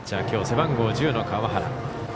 きょう背番号１０の川原。